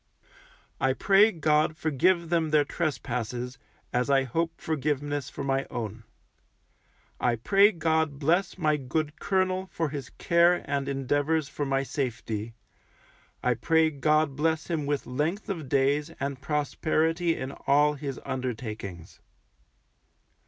I pray God forgive them their trespasses, as I hope forgiveness for my own. I pray God bless my good colonel for his care and endeavours for my safety; I pray God bless him with length of days and prosperity in all his undertakings.